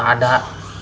neng jangan ngambek